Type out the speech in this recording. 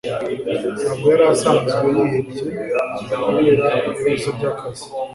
Ntabwo yari asanzwe yihebye kubera ibibazo byakazi